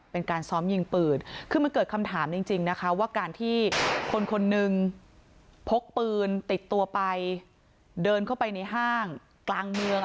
เป็นการซ้อมยิงปืนคือมันเกิดคำถามจริงนะคะว่าการที่คนคนหนึ่งพกปืนติดตัวไปเดินเข้าไปในห้างกลางเมือง